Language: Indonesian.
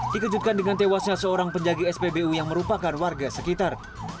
dikejutkan dengan tewasnya seorang penjaga spbu yang merupakan warga sekitar